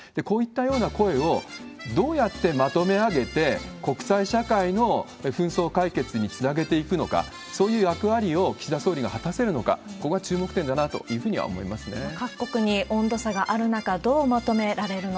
こういったような声をどうやってまとめ上げて、国際社会の紛争解決につなげていくのか、そういう役割を岸田総理が果たせるのか、ここが注目点だなというふうには思いますね。